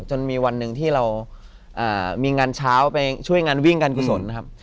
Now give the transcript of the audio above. จนมีวันหนึ่งที่เรามีงานเช้าไปช่วยงานวิ่งการกุศลนะครับ